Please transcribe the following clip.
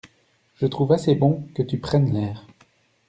Je trouve assez bon que tu prennes l'air.